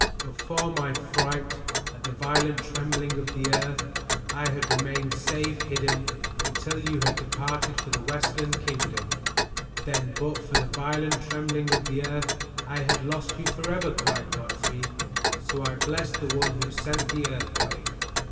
But for my fright at the violent trembling of the earth I had remained safe hidden until you had departed for the Westland Kingdom." "Then but for the violent trembling of the earth, I had lost you forever!" cried Godfrey. "So I bless the one who sent the earthquake."